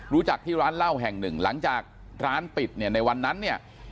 รู้จักที่ร้านเหล้าแห่งหนึ่งหลังจากร้านปิดเนี่ยในวันนั้นเนี่ย